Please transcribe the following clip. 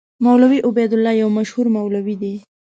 مولوي عبیدالله یو مشهور مولوي دی.